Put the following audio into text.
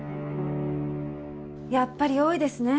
やっぱり多いですね